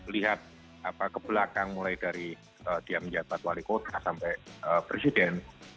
lihat ke belakang mulai dari dia menjabat wali kota sampai presiden